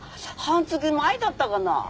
半月前だったかな？